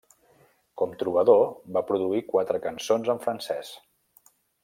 Com trobador, va produir quatre cançons en francès.